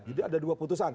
jadi ada dua putusan